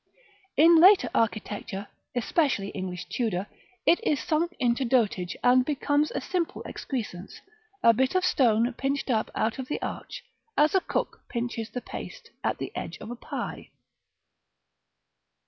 In later architecture, especially English Tudor, it is sunk into dotage, and becomes a simple excrescence, a bit of stone pinched up out of the arch, as a cook pinches the paste at the edge of a pie.